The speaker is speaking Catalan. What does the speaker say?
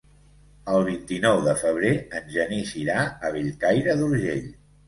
El vint-i-nou de febrer en Genís irà a Bellcaire d'Urgell.